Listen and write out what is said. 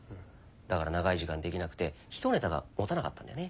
だから長い時間できなくて一ネタが持たなかったんだよね。